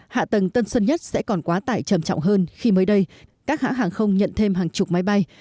hạ tầng tân sơn nhất sẽ còn quá tải trầm trọng hơn khi mới đây các hãng hàng không nhận thêm hàng chục máy bay